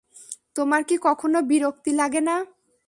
তোমার কি কখনো বিরক্তি লাগে না?